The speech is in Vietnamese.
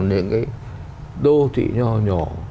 những cái đô thị nhỏ nhỏ